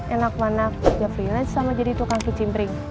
enak mana kerja freelance sama jadi tukang kicimpring